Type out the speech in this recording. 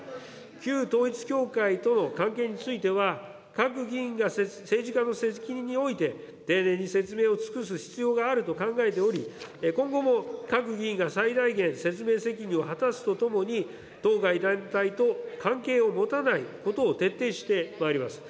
旧統一教会との関係については、各議員が政治家の責任において丁寧に説明を尽くす必要があると考えており、今後も各議員が最大限説明責任を果たすとともに、当該団体と関係を持たないことを徹底してまいります。